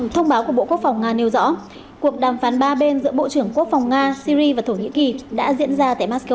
thông báo của bộ quốc phòng nga nêu rõ cuộc đàm phán ba bên giữa bộ trưởng quốc phòng nga syri và thổ nhĩ kỳ đã diễn ra tại moscow